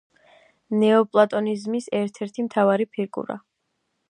ნეოპლატონიზმის ერთ-ერთი მთავარი ფიგურა.